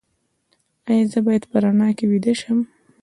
ایا زه باید په رڼا کې ویده شم؟